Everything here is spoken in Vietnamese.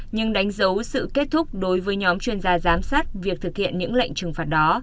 nhưng đánh dấu sự kết thúc đối với nhóm chuyên gia giám sát việc thực hiện những lệnh trừng phạt đó